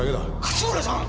勝村さん！！